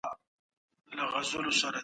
زما ملګری ښه دئ.